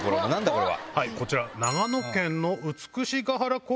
これは。